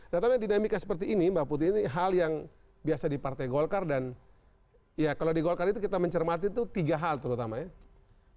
nah tapi dinamika seperti ini mbak putih ini hal yang biasa di partai golkar dan ya kalau di golkar itu kita mencermati itu tiga hal terutama ya